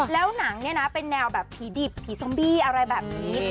แล้วหนังเนี่ยนะเป็นแนวแบบผีดิบผีซอมบี้อะไรแบบนี้